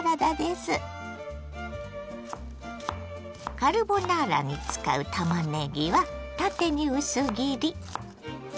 カルボナーラに使うたまねぎは縦に薄切り。